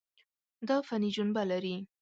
دا فني جنبه لري.